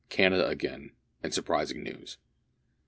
CANADA AGAIN AND SURPRISING NEWS.